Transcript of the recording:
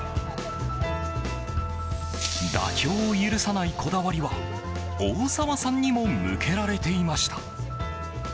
妥協を許さないこだわりは大沢さんにも向けられていました。